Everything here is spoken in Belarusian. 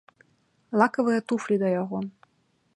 Лакавыя туфлі да яго.